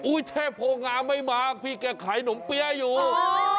เทพโพงามไม่มาพี่แกขายนมเปี้ยอยู่